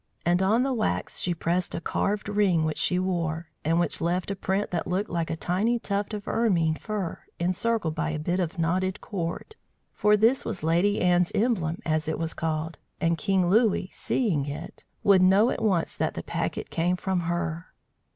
And on the wax she pressed a carved ring which she wore, and which left a print that looked like a tiny tuft of ermine fur encircled by a bit of knotted cord; for this was Lady Anne's emblem, as it was called, and King Louis, seeing it, would know at once that the packet came from her.